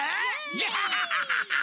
ガハハハハ！